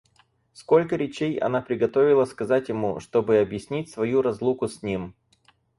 Сколько речей она приготовила сказать ему, чтобы объяснить свою разлуку с ним!